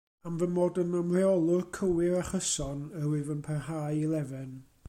Am fy mod yn Ymreolwr cywir a chyson, yr wyf yn parhau i lefain.